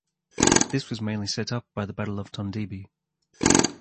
This was mainly set up by the Battle of Tondibi.